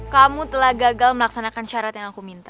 kamu telah gagal melaksanakan syarat yang aku minta